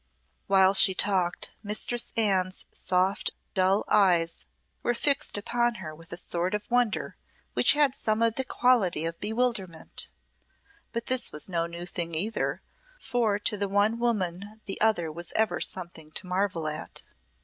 While she talked, Mistress Anne's soft, dull eyes were fixed upon her with a sort of wonder which had some of the quality of bewilderment; but this was no new thing either, for to the one woman the other was ever something to marvel at.